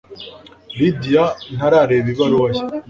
Lidia ntarareba ibaruwa ye.